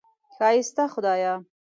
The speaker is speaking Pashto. ښایسته خدایه!